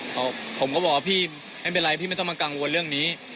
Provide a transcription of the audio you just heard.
ผมก็บอกว่าพี่ไม่เป็นไรพี่ไม่ต้องมากังวลเรื่องนี้